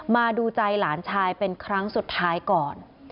มาดูใจหลานชายเป็นครั้งสุดท้ายก่อน